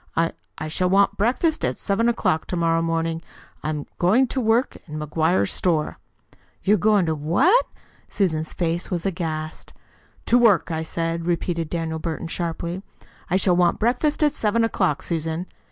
I I shall want breakfast at seven o'clock to morrow morning. I I am going to work in McGuire's store." "You are goin' to what?" Susan's face was aghast. "To work, I said," repeated Daniel Burton sharply. "I shall want breakfast at seven o'clock, Susan."